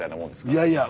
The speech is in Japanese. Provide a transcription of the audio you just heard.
いやいや。